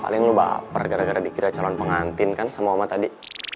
paling lu baper gara gara dikira calon pengantin kan sama umat tadi